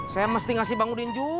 saya mesti ngasih bang udin juga